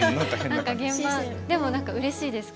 でもなんかうれしいです。